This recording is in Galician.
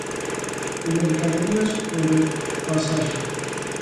De mercadorías ou de pasaxe.